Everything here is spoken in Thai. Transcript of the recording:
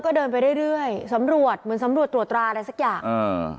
ก็เดินไปเรื่อยเรื่อยสำรวจเหมือนสำรวจตรวจตราอะไรสักอย่างอ่า